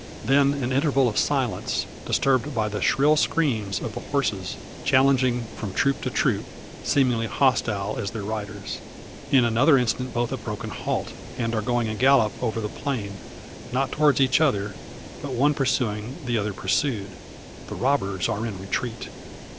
Then an interval of silence, disturbed by the shrill screams of the horses, challenging from troop to troop, seemingly hostile as their riders. In another instant both have broken halt, and are going in gallop over the plain; not towards each other, but one pursuing, the other pursued. The robbers are in retreat!